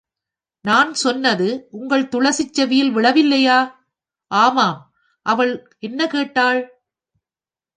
நான் சொன்னது உங்கள் துளசிச் செவியில் விழவில்லையா? ஆமாம், அவள் என்ன கேட்டாள்?